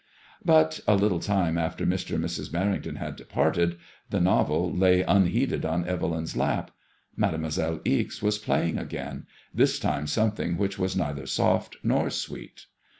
But a little time after Mr. and Mrs. Merrington had departed, the novel lay unheeded on Evelyn's lap. Mademoiselle Ixe was playing again, this time something which was neither soft nor sweet.